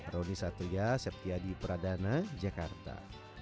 rauni satria septya di pradana jakarta